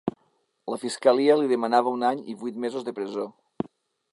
La fiscalia li demanava un any i vuit mesos de presó.